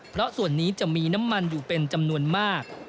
เพราะส่วนนี้จะมีน้ำมันอยู่เป็นจำนวนมาก